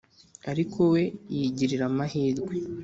Ariko we yigirira amahirwe